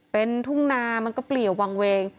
เป็นทุ่งนามันก็เปลี่ยววางเวง